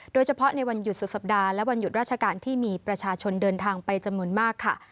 โดยเฉพาะในวันหยุดสุดสัปดาห์และวันหยุดราชการที่มีประชาชนเดินทางไปจำนวนมากค่ะ